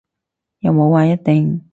又冇話一定